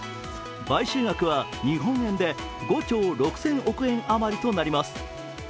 買収額は日本円で５兆６億円あまりとなります。